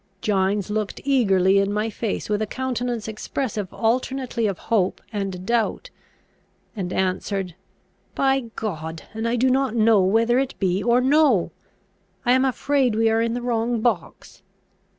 Gines looked eagerly in my face, with a countenance expressive alternately of hope and doubt, and answered, "By God, and I do not know whether it be or no! I am afraid we are in the wrong box!"